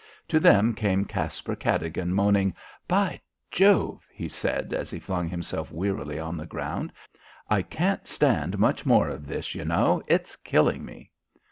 To them came Caspar Cadogan, moaning. "By Jove," he said, as he flung himself wearily on the ground, "I can't stand much more of this, you know. It's killing me."